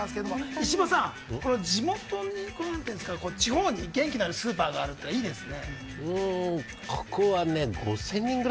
石破さん、地元に地方に元気のあるスーパーがあるのはいいですね。